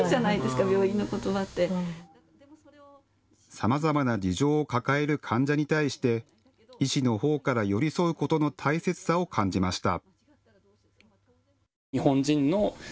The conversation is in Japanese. さまざまな事情を抱える患者に対して医師のほうから寄り添うことの大切さを感じました。